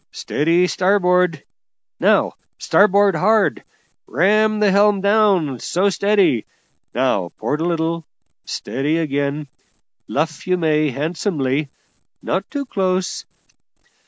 Steady starboard! now starboard hard! ram the helm down! so, steady! Now port a little! steady again! luff you may, handsomely; not too close!